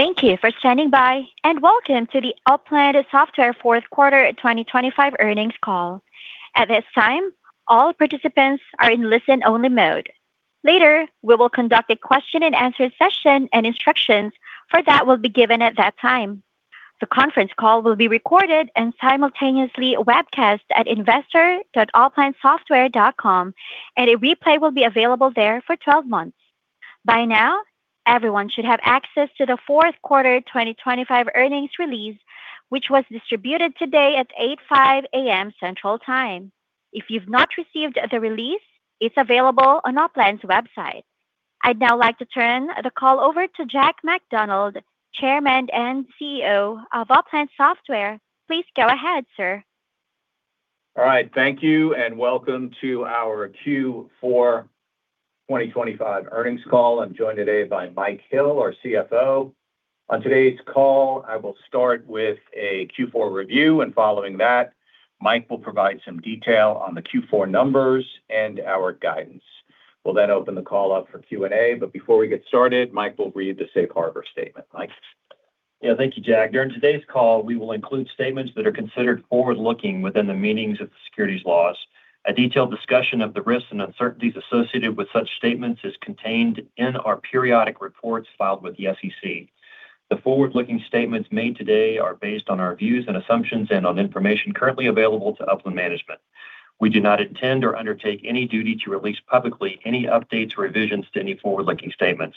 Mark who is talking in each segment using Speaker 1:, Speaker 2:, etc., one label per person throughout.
Speaker 1: Thank you for standing by. Welcome to the Upland Software fourth quarter 2025 earnings call. At this time, all participants are in listen-only mode. Later, we will conduct a question-and-answer session. Instructions for that will be given at that time. The conference call will be recorded and simultaneously webcast at investor.uplandsoftware.com. A replay will be available there for 12 months. By now, everyone should have access to the fourth quarter 2025 earnings release, which was distributed today at 8:05 A.M. Central Time. If you've not received the release, it's available on Upland's website. I'd now like to turn the call over to Jack McDonald, Chairman and CEO of Upland Software. Please go ahead, sir.
Speaker 2: All right. Thank you, and welcome to our Q4 2025 earnings call. I'm joined today by Mike Hill, our CFO. On today's call, I will start with a Q4 review, and following that, Mike will provide some detail on the Q4 numbers and our guidance. We'll open the call up for Q&A. Before we get started, Mike will read the safe harbor statement. Mike?
Speaker 3: Yeah. Thank you, Jack. During today's call, we will include statements that are considered forward-looking within the meanings of the securities laws. A detailed discussion of the risks and uncertainties associated with such statements is contained in our periodic reports filed with the SEC. The forward-looking statements made today are based on our views and assumptions and on information currently available to Upland management. We do not intend or undertake any duty to release publicly any updates or revisions to any forward-looking statements.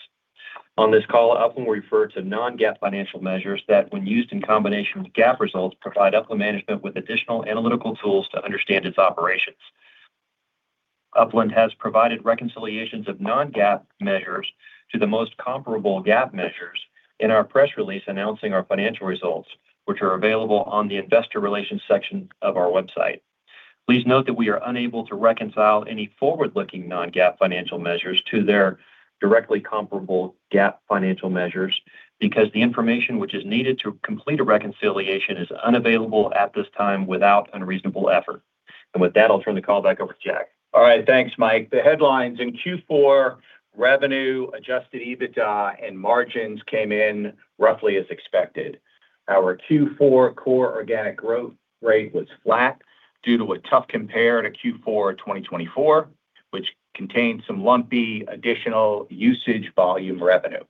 Speaker 3: On this call, Upland will refer to non-GAAP financial measures that, when used in combination with GAAP results, provide Upland management with additional analytical tools to understand its operations. Upland has provided reconciliations of non-GAAP measures to the most comparable GAAP measures in our press release announcing our financial results, which are available on the investor relations section of our website. Please note that we are unable to reconcile any forward-looking non-GAAP financial measures to their directly comparable GAAP financial measures because the information which is needed to complete a reconciliation is unavailable at this time without unreasonable effort. With that, I'll turn the call back over to Jack.
Speaker 2: All right. Thanks, Mike. The headlines in Q4 revenue, adjusted EBITDA, and margins came in roughly as expected. Our Q4 core organic growth rate was flat due to a tough compare to Q4 2024, which contained some lumpy additional usage volume revenue.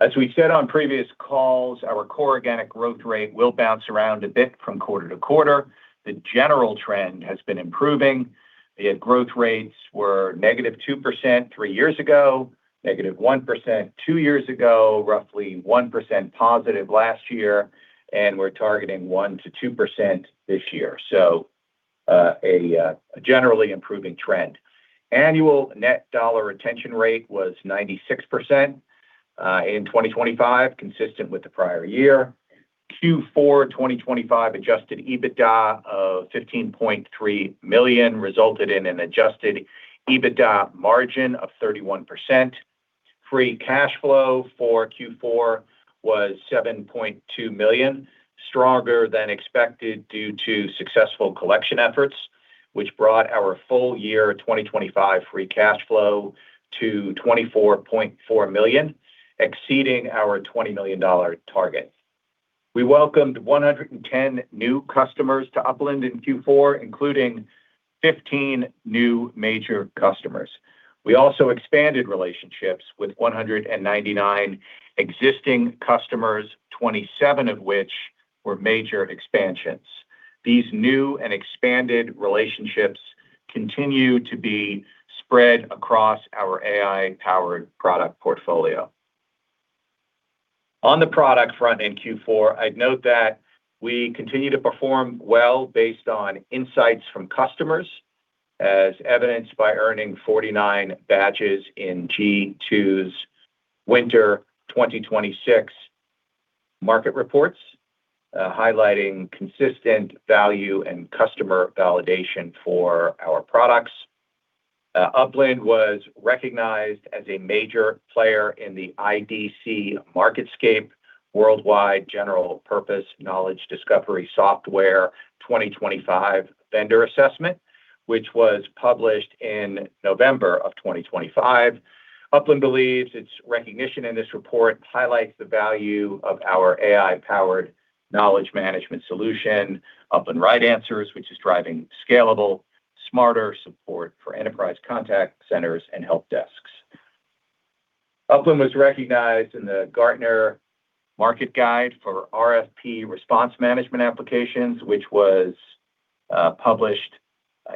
Speaker 2: As we said on previous calls, our core organic growth rate will bounce around a bit from quarter to quarter. The general trend has been improving. The growth rates were -2% three years ago, -1% two years ago, roughly 1% positive last year, and we're targeting 1%-2% this year. A generally improving trend. Annual net dollar retention rate was 96% in 2025, consistent with the prior year. Q4 2025 adjusted EBITDA of $15.3 million resulted in an adjusted EBITDA margin of 31%. Free cash flow for Q4 was $7.2 million, stronger than expected due to successful collection efforts, which brought our full year 2025 free cash flow to $24.4 million, exceeding our $20 million target. We welcomed 110 new customers to Upland in Q4, including 15 new major customers. We also expanded relationships with 199 existing customers, 27 of which were major expansions. These new and expanded relationships continue to be spread across our AI-powered product portfolio. On the product front in Q4, I'd note that we continue to perform well based on insights from customers, as evidenced by earning 49 badges in G2's Winter 2026 market reports, highlighting consistent value and customer validation for our products. Upland was recognized as a major player in the IDC MarketScape Worldwide General Purpose Knowledge Discovery Software 2025 Vendor Assessment, which was published in November of 2025. Upland believes its recognition in this report highlights the value of our AI-powered knowledge management solution, Upland RightAnswers, which is driving scalable, smarter support for enterprise contact centers and help desks. Upland was recognized in the Gartner Market Guide for RFP Response Management Applications, which was published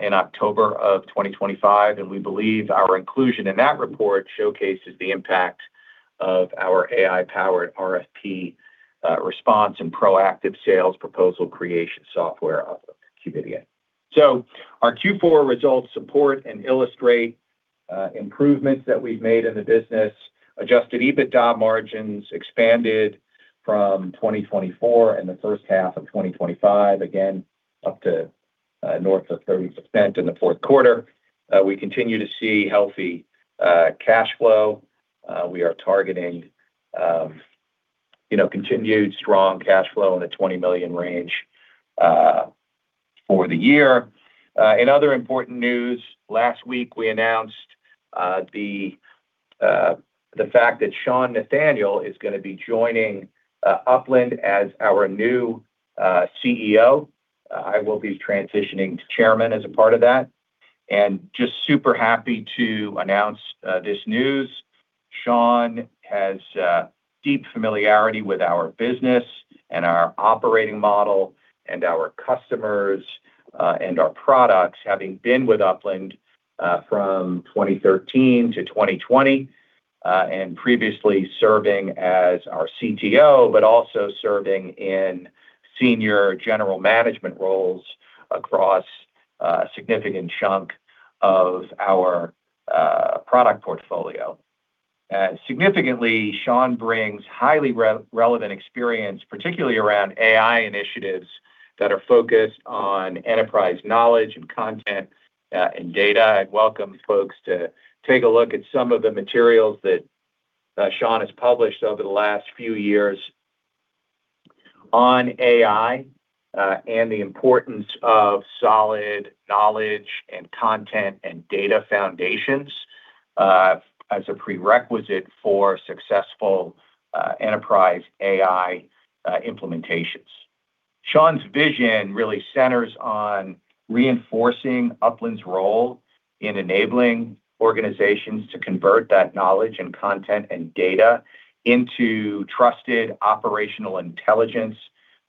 Speaker 2: in October of 2025, and we believe our inclusion in that report showcases the impact of our AI-powered RFP response and proactive sales proposal creation software, Qvidian. Our Q4 results support and illustrate improvements that we've made in the business. Adjusted EBITDA margins expanded from 2024 and the first half of 2025, again up to north of 30% in the fourth quarter. We continue to see healthy cash flow. We are targeting, you know, continued strong cash flow in the $20 million range for the year. In other important news, last week we announced the fact that Sean Nathaniel is gonna be joining Upland as our new CEO. I will be transitioning to Chairman as a part of that, and just super happy to announce this news. Sean has deep familiarity with our business and our operating model and our customers and our products, having been with Upland from 2013 to 2020, and previously serving as our CTO, but also serving in senior general management roles across a significant chunk of our product portfolio. Significantly, Sean brings highly relevant experience, particularly around AI initiatives that are focused on enterprise knowledge and content and data. I'd welcome folks to take a look at some of the materials that Sean has published over the last few years on AI and the importance of solid knowledge and content and data foundations as a prerequisite for successful enterprise AI implementations. Sean's vision really centers on reinforcing Upland's role in enabling organizations to convert that knowledge and content and data into trusted operational intelligence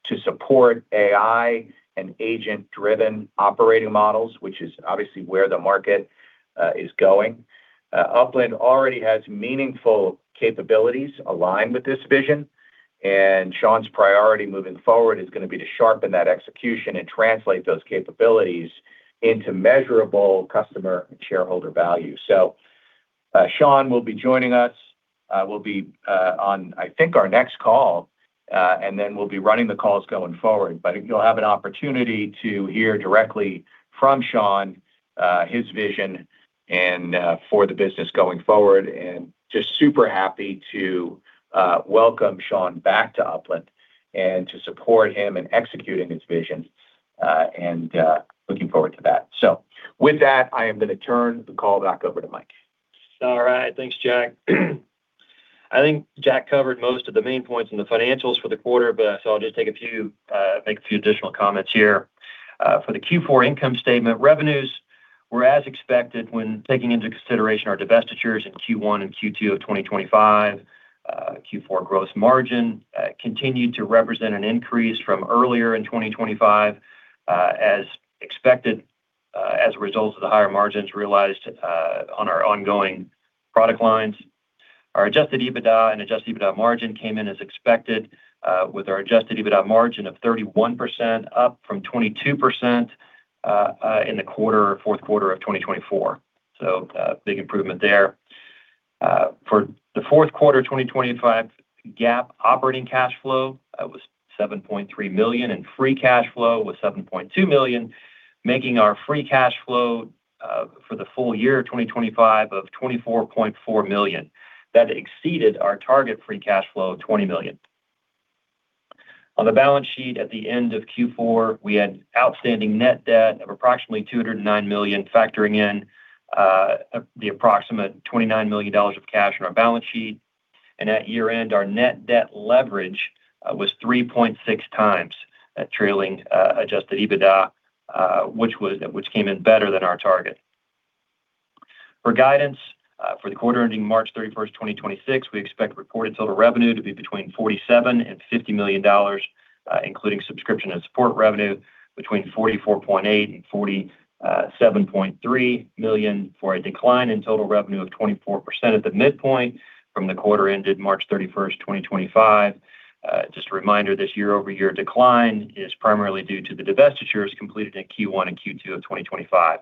Speaker 2: to support AI and agent-driven operating models, which is obviously where the market is going. Upland already has meaningful capabilities aligned with this vision, and Sean's priority moving forward is gonna be to sharpen that execution and translate those capabilities into measurable customer and shareholder value. Sean will be joining us, will be on, I think, our next call, and then will be running the calls going forward. You'll have an opportunity to hear directly from Sean, his vision and for the business going forward, and just super happy to welcome Sean back to Upland and to support him in executing his vision, and looking forward to that. With that, I am gonna turn the call back over to Mike.
Speaker 3: All right. Thanks, Jack. I think Jack covered most of the main points in the financials for the quarter. So I'll just take a few, make a few additional comments here. For the Q4 income statement, revenues were as expected when taking into consideration our divestitures in Q1 and Q2 of 2025. Q4 gross margin continued to represent an increase from earlier in 2025, as expected, as a result of the higher margins realized on our ongoing product lines. Our adjusted EBITDA and adjusted EBITDA margin came in as expected, with our adjusted EBITDA margin of 31%, up from 22% in the quarter, fourth quarter of 2024. A big improvement there. For the fourth quarter 2025 GAAP operating cash flow was $7.3 million, and free cash flow was $7.2 million, making our free cash flow for the full year 2025 of $24.4 million. That exceeded our target free cash flow of $20 million. On the balance sheet at the end of Q4, we had outstanding net debt of approximately $209 million, factoring in the approximate $29 million of cash on our balance sheet. At year-end, our net debt leverage was 3.6x at trailing adjusted EBITDA, which came in better than our target. For guidance, for the quarter ending March 31, 2026, we expect reported total revenue to be between $47 million and $50 million, including subscription and support revenue between $44.8 million and $47.3 million, for a decline in total revenue of 24% at the midpoint from the quarter ended March 31, 2025. Just a reminder, this year-over-year decline is primarily due to the divestitures completed in Q1 and Q2 of 2025.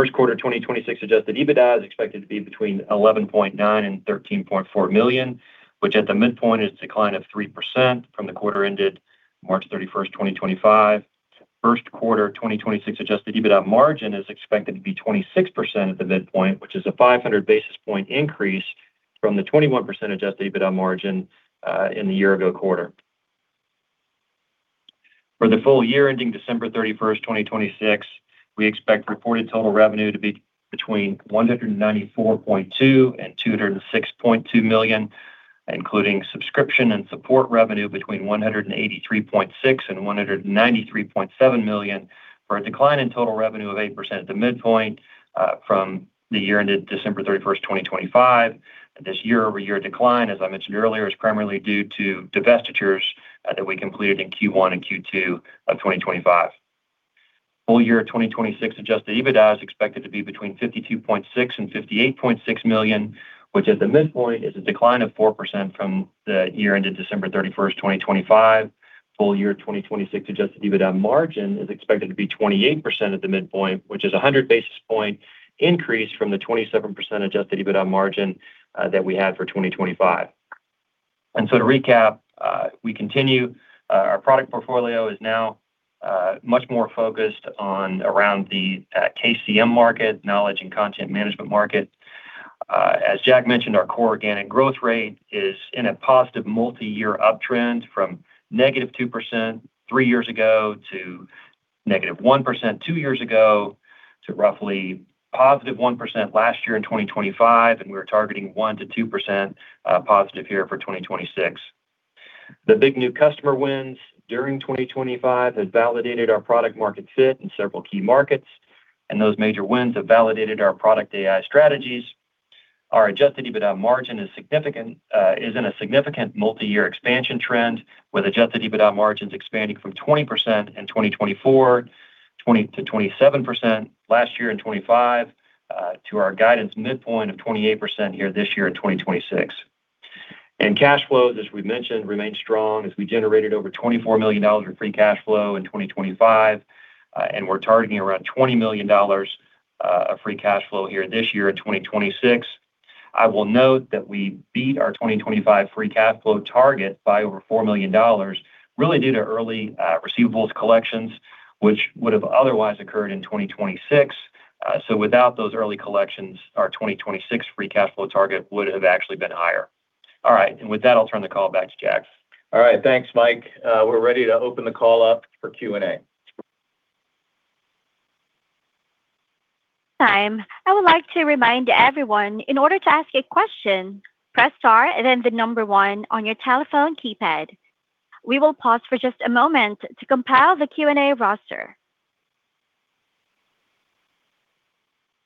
Speaker 3: First quarter 2026 adjusted EBITDA is expected to be between $11.9 million and $13.4 million, which at the midpoint is a decline of 3% from the quarter ended March 31, 2025. First quarter 2026 adjusted EBITDA margin is expected to be 26% at the midpoint, which is a 500 basis point increase from the 21% adjusted EBITDA margin in the year-ago quarter. For the full year ending December 31, 2026, we expect reported total revenue to be between $194.2 million and $206.2 million, including subscription and support revenue between $183.6 million and $193.7 million, for a decline in total revenue of 8% at the midpoint from the year ended December 31, 2025. This year-over-year decline, as I mentioned earlier, is primarily due to divestitures that we completed in Q1 and Q2 of 2025. Full year 2026 adjusted EBITDA is expected to be between $52.6 million and $58.6 million, which at the midpoint is a decline of 4% from the year ended December 31st, 2025. Full year 2026 adjusted EBITDA margin is expected to be 28% at the midpoint, which is a 100 basis point increase from the 27% adjusted EBITDA margin that we had for 2025. To recap, we continue, our product portfolio is now much more focused on around the KCM market, knowledge and content management market. As Jack mentioned, our core organic growth rate is in a positive multi-year uptrend from -2% three years ago to -1% two years ago to roughly +1% last year in 2025, and we're targeting 1%-2% positive here for 2026. The big new customer wins during 2025 has validated our product market fit in several key markets, and those major wins have validated our product AI strategies. Our adjusted EBITDA margin is in a significant multi-year expansion trend, with adjusted EBITDA margins expanding from 20% in 2024, 20%-27% last year in 2025, to our guidance midpoint of 28% here this year in 2026. Cash flow, as we mentioned, remains strong as we generated over $24 million of free cash flow in 2025, and we're targeting around $20 million of free cash flow here this year in 2026. I will note that we beat our 2025 free cash flow target by over $4 million really due to early receivables collections, which would have otherwise occurred in 2026. Without those early collections, our 2026 free cash flow target would have actually been higher. With that, I'll turn the call back to Jack.
Speaker 2: All right. Thanks, Mike. We're ready to open the call up for Q&A.
Speaker 1: Time. I would like to remind everyone, in order to ask a question, press star and then the number one on your telephone keypad. We will pause for just a moment to compile the Q&A roster.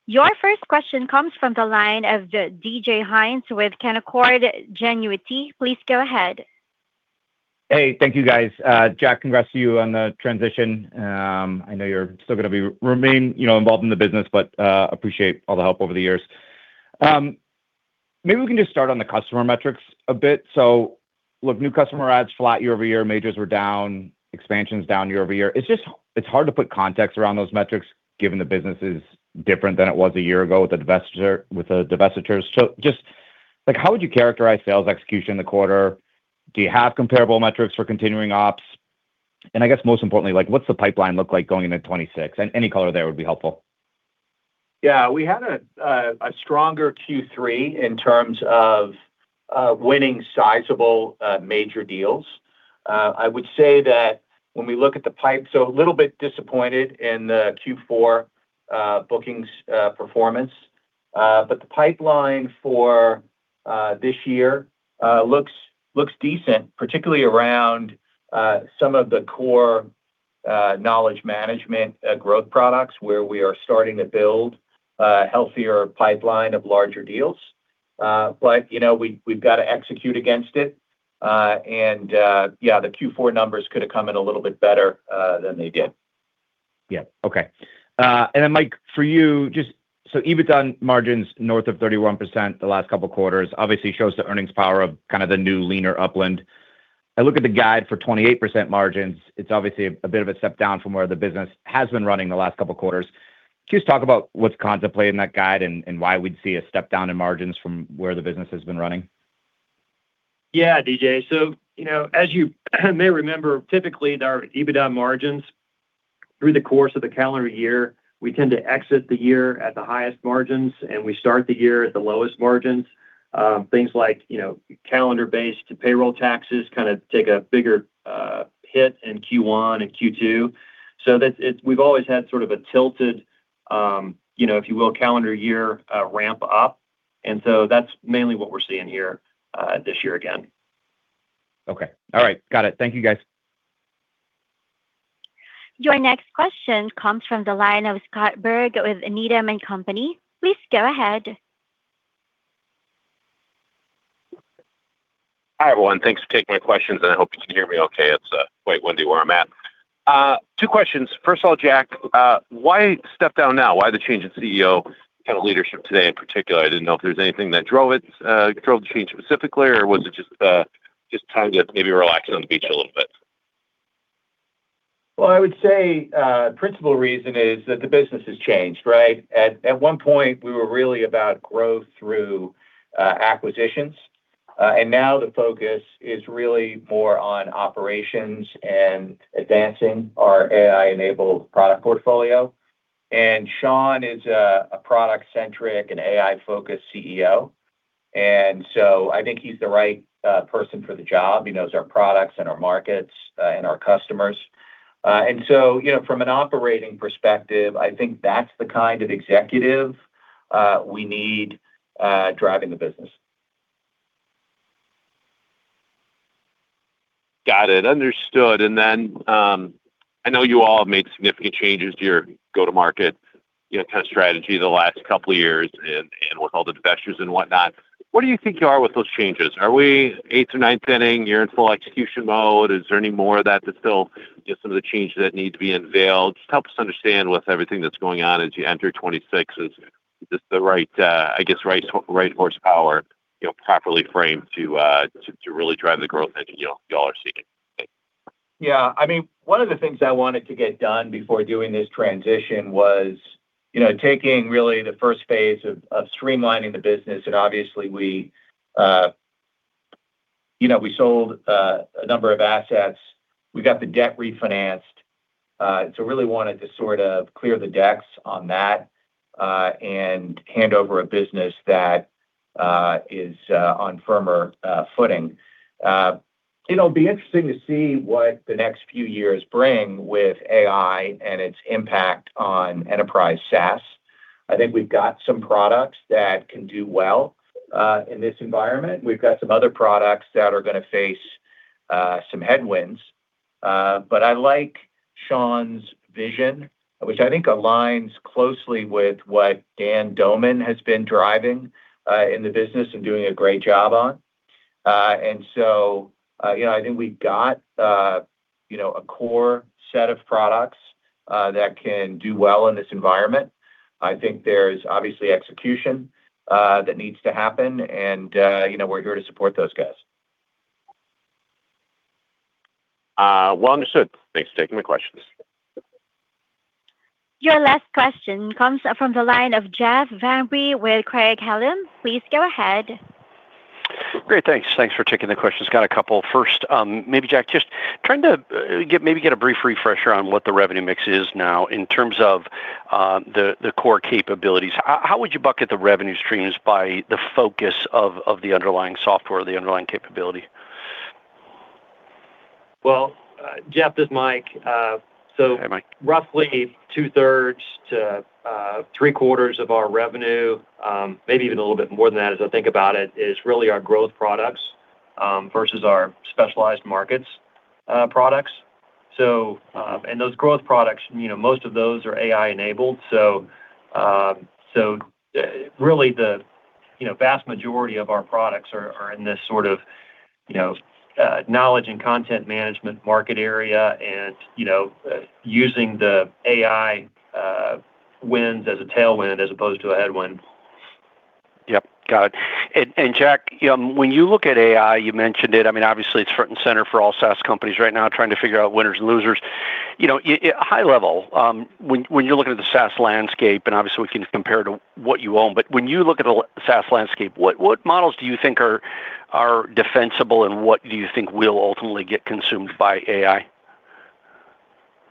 Speaker 1: Your first question comes from the line of DJ Hynes with Canaccord Genuity. Please go ahead.
Speaker 4: Hey, thank you, guys. Jack, congrats to you on the transition. I know you're still gonna remain, you know, involved in the business, but appreciate all the help over the years. Maybe we can just start on the customer metrics a bit. Look, new customer adds flat year-over-year, majors were down, expansions down year-over-year. It's hard to put context around those metrics given the business is different than it was a year ago with the divesture, with the divestitures. Just, like, how would you characterize sales execution in the quarter? Do you have comparable metrics for continuing ops? I guess most importantly, like, what's the pipeline look like going into 2026? Any color there would be helpful.
Speaker 2: Yeah. We had a stronger Q3 in terms of winning sizable major deals. I would say that when we look at the pipe, a little bit disappointed in the Q4 bookings performance. The pipeline for this year looks decent, particularly around some of the core knowledge management growth products where we are starting to build a healthier pipeline of larger deals. You know, we've got to execute against it. Yeah, the Q4 numbers could have come in a little bit better than they did.
Speaker 4: Okay. Mike, for you, just so EBITDA margins north of 31% the last couple of quarters obviously shows the earnings power of kind of the new leaner Upland. I look at the guide for 28% margins. It's obviously a bit of a step down from where the business has been running the last couple of quarters. Can you just talk about what's contemplated in that guide and why we'd see a step down in margins from where the business has been running?
Speaker 3: Yeah, DJ. You know, as you may remember, typically our EBITDA margins through the course of the calendar year, we tend to exit the year at the highest margins, and we start the year at the lowest margins. Things like, you know, calendar-based payroll taxes kinda take a bigger hit in Q1 and Q2. We've always had sort of a tilted, you know, if you will, calendar year ramp up. That's mainly what we're seeing here this year again.
Speaker 4: Okay. All right. Got it. Thank you, guys.
Speaker 1: Your next question comes from the line of Scott Berg with Needham & Company. Please go ahead.
Speaker 5: Hi, everyone. Thanks for taking my questions. I hope you can hear me okay. It's quite windy where I'm at. Two questions. First of all, Jack, why step down now? Why the change in CEO kind of leadership today in particular? I didn't know if there's anything that drove it, drove the change specifically, or was it just just time to maybe relax on the beach a little bit?
Speaker 2: Well, I would say, principal reason is that the business has changed, right? At one point, we were really about growth through acquisitions. Now the focus is really more on operations and advancing our AI-enabled product portfolio. Sean is a product-centric and AI-focused CEO, and so I think he's the right person for the job. He knows our products and our markets, and our customers. You know, from an operating perspective, I think that's the kind of executive we need driving the business.
Speaker 5: Got it. Understood. I know you all have made significant changes to your go-to-market, you know, kind of strategy the last couple of years with all the divestitures and whatnot. Where do you think you are with those changes? Are we eighth to ninth inning, you're in full execution mode? Is there any more of that to still get some of the changes that need to be unveiled? Just help us understand with everything that's going on as you enter 2026. Is this the right, I guess, right horsepower, you know, properly framed to really drive the growth that, you know, y'all are seeking? Thanks.
Speaker 2: Yeah. I mean, one of the things I wanted to get done before doing this transition was, you know, taking really the first phase of streamlining the business. We sold a number of assets. We got the debt refinanced. So really wanted to sort of clear the decks on that and hand over a business that is on firmer footing. It'll be interesting to see what the next few years bring with AI and its impact on enterprise SaaS. I think we've got some products that can do well in this environment. We've got some other products that are gonna face some headwinds. But I like Sean's vision, which I think aligns closely with what Dan Doman has been driving in the business and doing a great job on. You know, I think we've got, you know, a core set of products, that can do well in this environment. I think there's obviously execution, that needs to happen and, you know, we're here to support those guys.
Speaker 5: Well understood. Thanks. Taking the questions.
Speaker 1: Your last question comes from the line of Jeff Van Rhee with Craig-Hallum. Please go ahead.
Speaker 6: Great. Thanks. Thanks for taking the questions. Got a couple. First, maybe Jack, just trying to get maybe get a brief refresher on what the revenue mix is now in terms of, the core capabilities. How would you bucket the revenue streams by the focus of the underlying software, the underlying capability?
Speaker 3: Well, Jeff, this is Mike.
Speaker 6: Hey, Mike.
Speaker 2: Roughly 2/3 to 3/4 of our revenue, maybe even a little bit more than that as I think about it, is really our growth products, versus our specialized markets, products. Those growth products, you know, most of those are AI enabled. Really the, you know, vast majority of our products are in this sort of, you know, knowledge and content management market area and, you know, using the AI winds as a tailwind as opposed to a headwind.
Speaker 6: Yep. Got it. Jack, when you look at AI, you mentioned it, I mean, obviously it's front and center for all SaaS companies right now trying to figure out winners and losers. You know, at high level, when you're looking at the SaaS landscape, and obviously we can compare to what you own, but when you look at the SaaS landscape, what models do you think are defensible, and what do you think will ultimately get consumed by AI?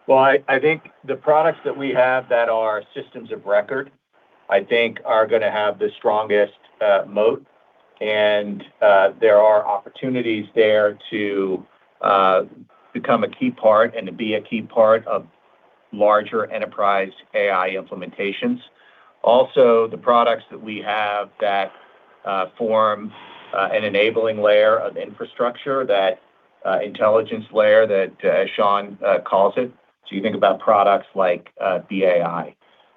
Speaker 2: Well, I think the products that we have that are systems of record, I think are gonna have the strongest moat. There are opportunities there to become a key part and to be a key part of larger enterprise AI implementations. Also, the products that we have that form an enabling layer of infrastructure, that intelligence layer that Sean calls it. You think about products like BA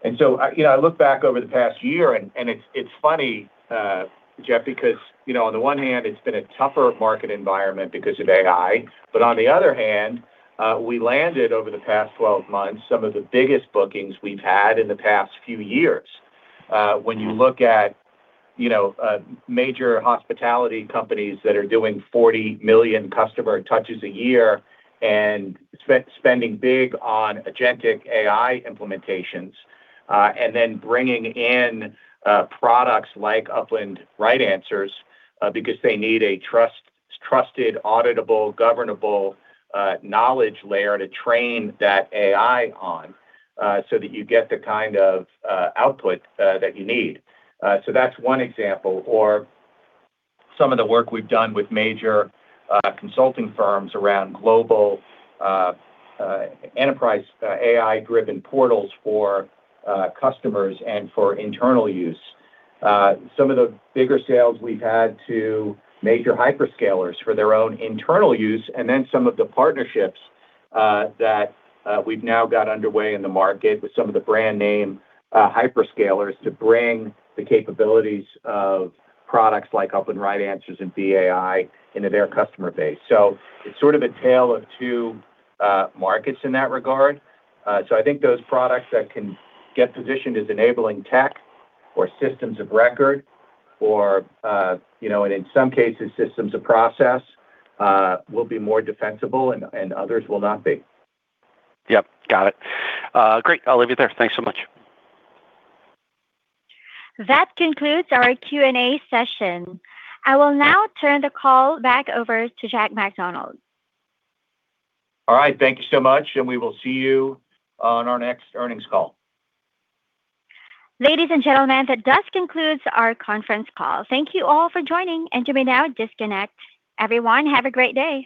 Speaker 2: Insight. You know, I look back over the past year and it's funny, Jeff, because, you know, on the one hand, it's been a tougher market environment because of AI, but on the other hand, we landed over the past 12 months some of the biggest bookings we've had in the past few years. When you look at, you know, major hospitality companies that are doing 40 million customer touches a year and spending big on agentic AI implementations, and then bringing in products like Upland RightAnswers, because they need a trusted, auditable, governable, knowledge layer to train that AI on, so that you get the kind of output that you need. That's one example. Some of the work we've done with major consulting firms around global enterprise AI-driven portals for customers and for internal use. Some of the bigger sales we've had to major hyperscalers for their own internal use. Some of the partnerships that we've now got underway in the market with some of the brand name hyperscalers to bring the capabilities of products like Upland RightAnswers and BAI into their customer base. It's sort of a tale of two markets in that regard. I think those products that can get positioned as enabling tech or systems of record or, you know, and in some cases systems of process will be more defensible and others will not be.
Speaker 6: Yep. Got it. Great. I'll leave it there. Thanks so much.
Speaker 1: That concludes our Q&A session. I will now turn the call back over to Jack McDonald.
Speaker 2: All right. Thank you so much, and we will see you on our next earnings call.
Speaker 1: Ladies and gentlemen, that does conclude our conference call. Thank you all for joining and you may now disconnect. Everyone, have a great day.